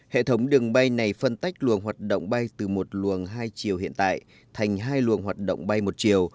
hệ thống đường bay này phân tách luồng hoạt động bay từ một luồng hai chiều hiện tại thành hai luồng hoạt động bay một chiều